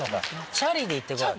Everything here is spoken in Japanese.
チャリで行って来い。